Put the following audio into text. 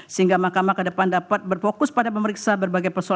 sehingga mahkamah ke depan dapat berfokus pada memeriksa berbagai persoalan